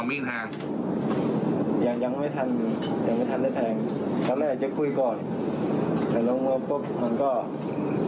ยังไม่ทันยังไม่ทันได้แทงเดี๋ยวแรกจะคุยก่อนแต่ลงมือปุ๊บมันก็